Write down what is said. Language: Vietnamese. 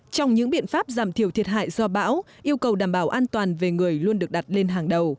trong những biện pháp giảm thiểu thiệt hại do bão yêu cầu đảm bảo an toàn về người luôn được đặt lên hàng đầu